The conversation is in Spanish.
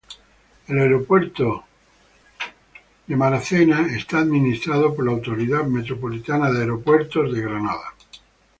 El aeropuerto de Dulles está administrado por la Autoridad Metropolitana de Aeropuertos de Washington.